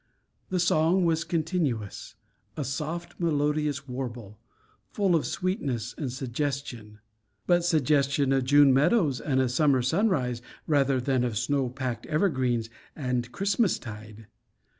The song was continuous a soft melodious warble, full of sweetness and suggestion; but suggestion of June meadows and a summer sunrise, rather than of snow packed evergreens and Christmastide.